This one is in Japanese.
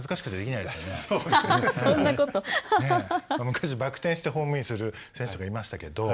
昔バク転してホームインする選手とかいましたけど。